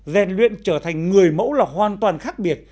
rèn luyện trở thành người mẫu là hoàn toàn khác biệt